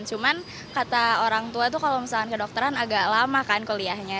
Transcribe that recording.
cuma kata orang tua kalau misalnya kedokteran agak lama kan kuliahnya